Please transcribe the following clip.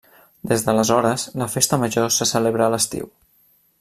Des d'aleshores la festa major se celebra a l'estiu.